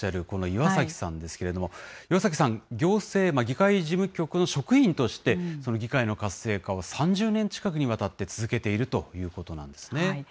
この岩崎さんですけれども、岩崎さん、行政、議会事務局の職員として、議会の活性化を３０年近くにわたって続けているということなんですね。